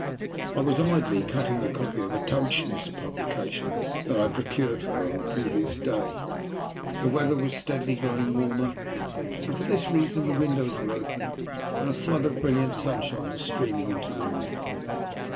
I was idly cutting a copy of a Tauchnitz publication that I had procured for her on the previous day. The weather was steadily growing warmer, and, for this reason, the windows were open and a flood of brilliant sunshine was streaming into the room.